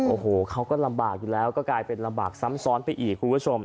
โอ้โหเขาก็ลำบากอยู่แล้วก็กลายเป็นลำบากซ้ำซ้อนไปอีกคุณผู้ชม